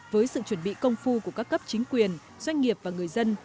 với sự chuẩn bị công phu của các cấp chính quyền doanh nghiệp và người dân